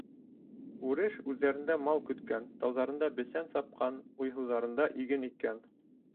Үреш, үҙҙәрендә мал көткән, тауҙарында бесән сапҡан, уйһыуҙарында иген иккән.